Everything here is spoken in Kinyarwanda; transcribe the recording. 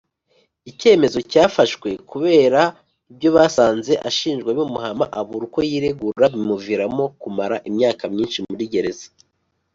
Icyemezo cyafashwe kubera ibyo basanze ashinjwa bimuhama abura uko yiregura bimuviramo kumara imyaka myinshi muri gereza